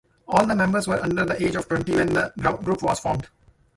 All the members were under the age of twenty when the group was formed.